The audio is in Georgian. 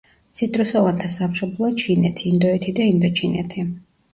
ციტრუსოვანთა სამშობლოა ჩინეთი, ინდოეთი და ინდოჩინეთი.